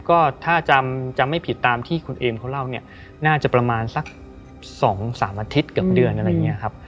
ก็ถ้าจำไม่ผิดตามที่คุณเอมเขาเล่าเนี่ยน่าจะประมาณสัก๒๓อาทิตย์เกือบเดือนอะไรอย่างนี้ครับ